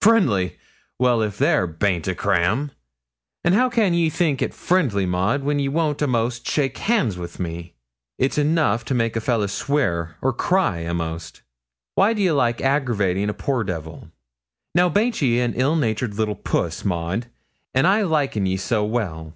'Friendly! Well, if there baint a cram! How can ye think it friendly, Maud, when ye won't a'most shake hands wi' me? It's enough to make a fellah sware, or cry a'most. Why d'ye like aggravatin' a poor devil? Now baint ye an ill natured little puss, Maud, an' I likin' ye so well?